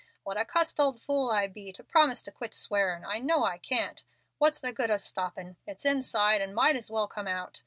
What a cussed old fool I be, to promise to quit swearin'! I know I can't. What's the good o' stoppin'? It's inside, and might as well come out.